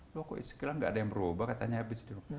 loh kok istilah gak ada yang berubah katanya habis dong